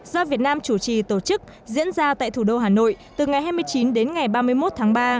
do việt nam chủ trì tổ chức diễn ra tại thủ đô hà nội từ ngày hai mươi chín đến ngày ba mươi một tháng ba